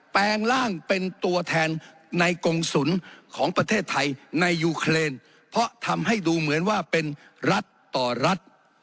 แปลงร่างเป็นตัวแทนในกงศุลของประเทศไทยในยูเครนเพราะทำให้ดูเหมือนว่าเป็นรัฐต่อรัฐ